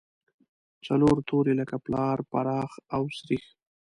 څلور توري لکه پلار، پراخ او سرېښ.